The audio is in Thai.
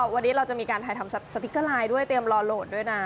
วันนี้เราจะมีการถ่ายทำสติ๊กเกอร์ไลน์ด้วยเตรียมรอโหลดด้วยนะ